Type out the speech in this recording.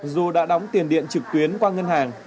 dù đã đóng tiền điện trực tuyến qua ngân hàng